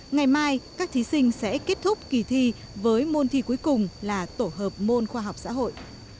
ngày mai các thí sinh sẽ kết thúc kỳ thi với môn thi cuối cùng là tổ hợp môn khoa học xã hội